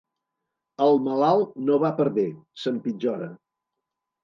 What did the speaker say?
El malalt no va per bé, s'empitjora.